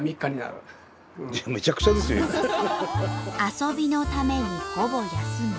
遊びのためにほぼ休み。